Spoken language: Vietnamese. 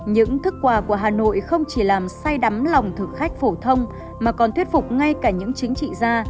những thức quà của hà nội không chỉ làm say đắm lòng thực khách phổ thông mà còn thuyết phục ngay cả những chính trị gia